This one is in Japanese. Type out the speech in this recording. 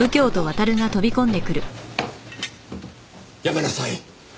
やめなさい！